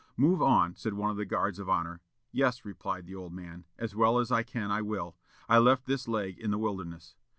"Move on," said one of the guards of honor. "Yes," replied the old man, "as well as I can I will. I left this leg in the Wilderness."